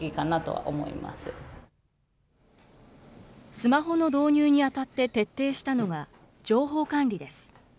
スマホの導入にあたって徹底したのが情報管理です。